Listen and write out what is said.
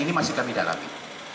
ini masih kami dalami